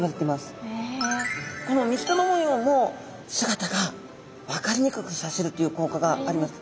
この水玉模様も姿が分かりにくくさせるという効果があります。